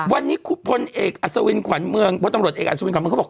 วันนี้พลตำรวจเอกอัศวินขวัญเมืองเขาบอก